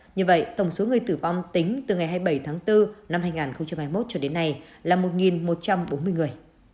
như vậy tổng số người tử vong tính từ ngày hai mươi bảy tháng bốn năm hai nghìn hai mươi một cho đến nay là một một trăm bốn mươi người